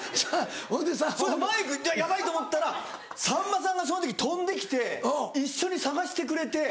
マイクヤバいと思ったらさんまさんがその時飛んできて一緒に探してくれて。